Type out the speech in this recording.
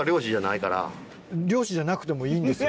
漁師じゃなくてもいいんです。